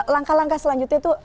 langkah langkah selanjutnya itu